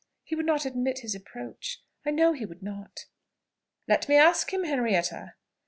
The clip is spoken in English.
He would not admit his approach. I know he would not." "Let me ask him, Henrietta."